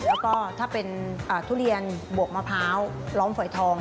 แล้วก็ถ้าเป็นทุเรียนบวกมะพร้าวร้องฝอยทอง